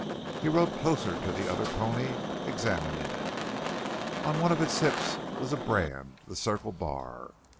He rode closer to the other pony, examining it. On one of its hips was a brand the Circle Bar.